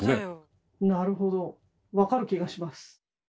なるほど分かる気がします。